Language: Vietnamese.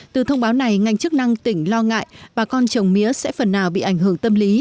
từ thông báo này ngành chức năng tỉnh lo ngại bà con trồng mía sẽ phần nào bị ảnh hưởng tâm lý